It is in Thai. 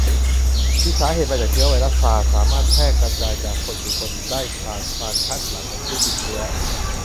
มีสาเหตุมาจากเชื้อไวรัสซาร์ส สามารถแพร่กระจายจากคนสู่คนได้ผ่านสารคัดหลั่งของผู้ติดเชื้อ